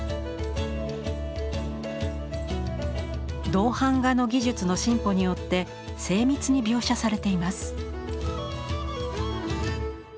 銅版画の技術の進歩によって精密に描写されています。